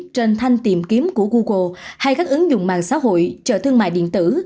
trên thanh tìm kiếm của google hay các ứng dụng mạng xã hội chờ thương mại điện tử